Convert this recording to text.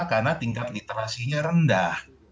karena tingkat literasinya rendah